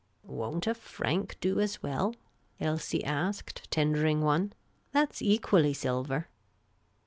" Won't a franc do as well ?" Elsie asked, tendering one. "That 's equally silver."